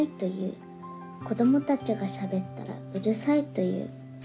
子どもたちがしゃべったらうるさいという。